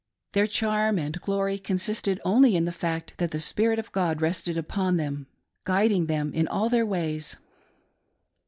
Their charm and glory consisted only in the fact that the spirit of God rested upon them, guiding them in all their ways.